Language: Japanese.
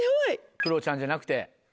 クロちゃんじゃなくて。